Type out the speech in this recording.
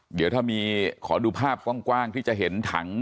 เดี๋ยวถ้ามีขอดูภาพกว้างที่จะเห็นถัง